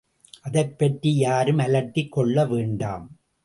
அதைப்பற்றி யாரும் அலட்டிக் கொள்ளவேண்டாம்.